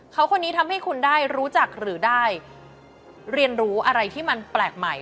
เขาคนนี้ทำให้คุณได้รู้จักหรือได้เรียนรู้อะไรที่มันแปลกใหม่